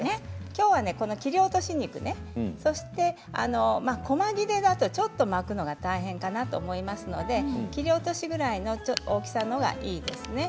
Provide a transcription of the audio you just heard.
きょうは切り落とし肉こま切れだとちょっと巻くのが大変かなと思いますので切り落としぐらいの大きさがいいですね。